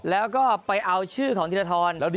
แล้วก็ไปเอาชื่อของธีรทร